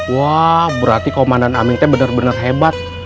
wah berarti komandan aming teh bener bener hebat